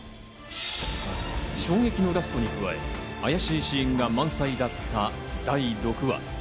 衝撃のラストに加え、怪しいシーンが満載だった第６話。